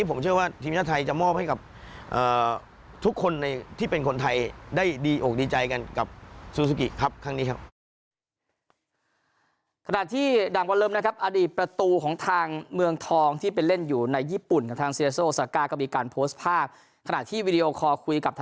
ผมเชื่อว่าทีมชาติไทยจะมอบให้กับทุกคนที่เป็นคนไทยได้ดีอกดีใจกันกับซูซูกิครับครั้งนี้ครับ